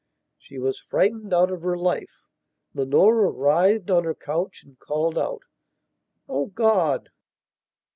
She was frightened out of her life. Leonora writhed on her couch and called out: "Oh, God!..."